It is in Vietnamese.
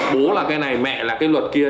bố là cái này mẹ là cái luật kia